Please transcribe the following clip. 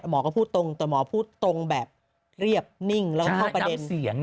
หมอก็พูดตรงแต่หมอพูดตรงแบบเรียบนิ่งแล้วเข้าประเด็นเสียง